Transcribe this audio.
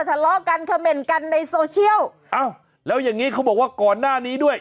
ทะเลาะกันเขม่นกันในโซเชียลอ้าวแล้วอย่างงี้เขาบอกว่าก่อนหน้านี้ด้วย